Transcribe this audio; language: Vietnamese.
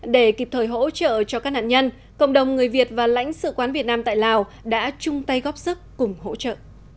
để kịp thời hỗ trợ cho các nạn nhân cộng đồng người việt và lãnh sự quán việt nam tại lào đã chung tay góp sức cùng hỗ trợ